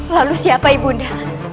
lalu siapa ibunda